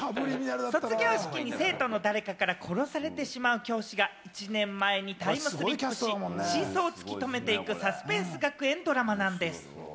卒業式に生徒の誰かから殺されてしまう教師が１年前にタイムスリップし、真相を突き止めていくサスペンス学園ドラマなんでぃす。